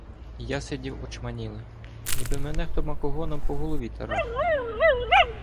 Я сидів очманілий — ніби мене хто макогоном по голові тарахнув.